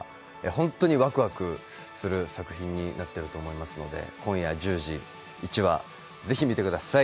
本当にわくわくする作品になっていると思いますので、今夜１０時、１話、ぜひ見てください。